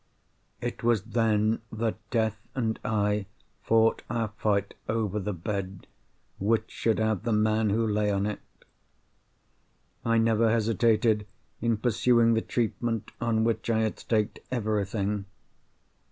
It was then that Death and I fought our fight over the bed, which should have the man who lay on it. I never hesitated in pursuing the treatment on which I had staked everything.